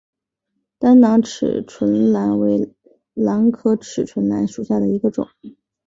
单囊齿唇兰为兰科齿唇兰属下的一个种。